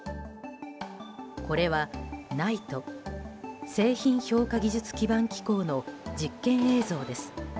これはＮＩＴＥ・製品評価技術基盤機構の実験映像です。